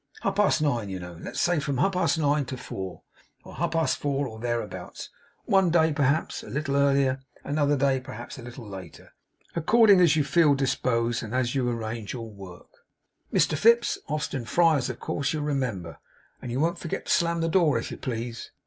Half past nine, you know. Let us say from half past nine to four, or half past four, or thereabouts; one day, perhaps, a little earlier, another day, perhaps, a little later, according as you feel disposed, and as you arrange your work. Mr Fips, Austin Friars of course you'll remember? And you won't forget to slam the door, if you please!